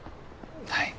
はい。